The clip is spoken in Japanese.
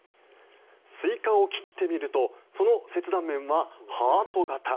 スイカを切ってみるとその切断面はハート形。